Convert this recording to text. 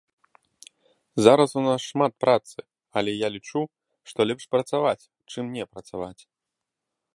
Зараз у нас шмат працы, але я лічу, што лепш працаваць, чым не працаваць.